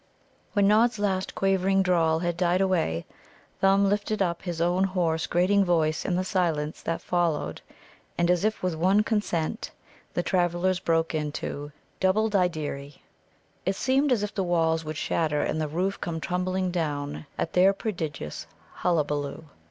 When Nod's last quavering drawl had died away, Thumb lifted up his own hoarse, grating voice in the silence that followed, and as if with one consent, the travellers broke into "Dubbuldideery." It seemed as if the walls would shatter and the roof come tumbling down at their prodigious hullabaloo.